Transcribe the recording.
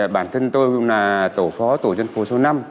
bản thân tôi là tổ phó tổ dân phố số năm